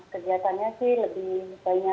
kegiatannya sih lebih